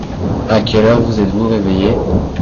À quelle heure vous êtes-vous réveillés ?